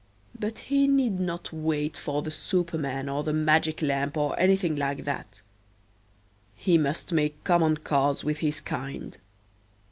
But he need not wait for the superman or the magic lamp or anything like that. He must make common cause with his kind.